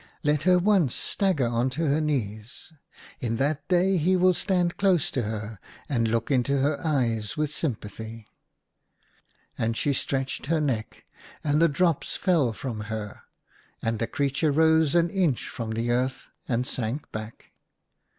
Let her once stagger on to her knees. In that day he will stand close to her, and look into her eyes with sympathy." And she stretched her neck, and the drops fell from her. And the creature rose an inch from the earth and sank back.